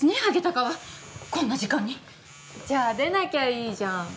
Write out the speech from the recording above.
ハゲタカはこんな時間にじゃあ出なきゃいいじゃん